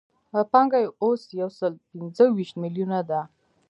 پانګه یې اوس یو سل پنځه ویشت میلیونه ده